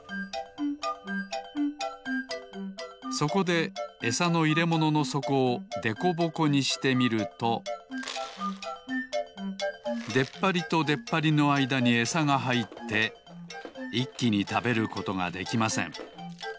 そこでエサのいれもののそこをでこぼこにしてみるとでっぱりとでっぱりのあいだにエサがはいっていっきにたべることができません。